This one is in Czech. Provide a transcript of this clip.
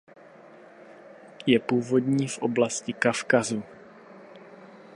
Je původní v oblasti Kavkazu.